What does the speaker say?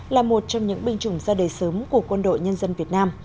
là một trong những binh chủng ra đời sớm của quân đội nhân dân việt nam